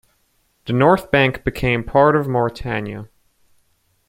The north bank became part of Mauritania.